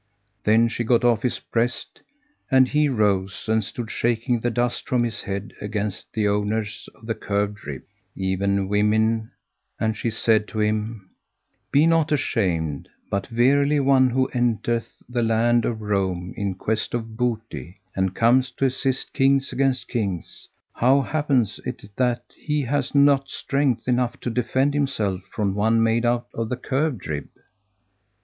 Then she got off his breast and he rose and stood shaking the dust from his head against the owners of the curved rib, even women; and she said to him, "Be not ashamed; but verily one who entereth the land of Roum in quest of booty, and cometh to assist Kings against Kings, how happeneth it that he hath not strength enough to defend himself from one made out of the curved rib?"